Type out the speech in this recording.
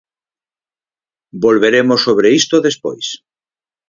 Volveremos sobre isto despois.